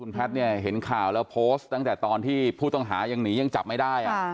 แพทย์เนี่ยเห็นข่าวแล้วโพสต์ตั้งแต่ตอนที่ผู้ต้องหายังหนียังจับไม่ได้